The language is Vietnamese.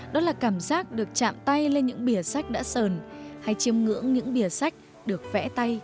đó là cảm giác được chạm tay lên những bìa sách đã sờn hay chiêm ngưỡng những bìa sách được vẽ tay